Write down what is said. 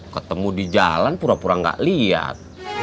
ketemu di jalan pura pura gak lihat